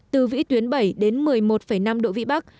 từ vĩ tuyến bảy đến một mươi một năm độ vĩ bắc